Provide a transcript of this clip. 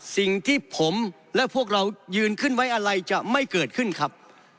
สิ่งที่ผมและพวกเรายืนขึ้นไว้อะไรจะไม่เกิดขึ้นครับ